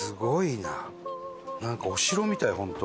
なんかお城みたいホント。